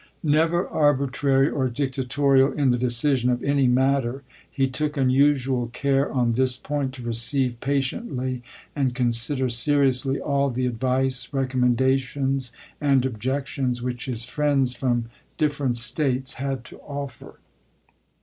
Never arbitrary or dictatorial in the decision of any matter, he took unusual care on this point to receive patiently and consider seriously all the advice, recommendations, and objections which his friends from different States had to offer.